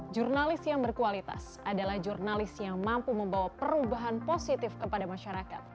jurnalis yang berkualitas adalah jurnalis yang mampu membawa perubahan positif kepada masyarakat